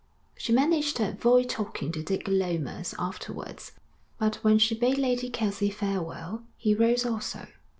She managed to avoid talking to Dick Lomas afterwards, but when she bade Lady Kelsey farewell, he rose also.